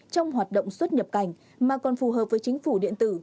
trong hoạt động xuất nhập cảnh mà còn phù hợp với chính phủ điện tử